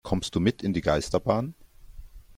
Kommst du mit in die Geisterbahn?